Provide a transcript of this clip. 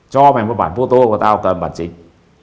cho mày một bản photo của tao tầm bản trình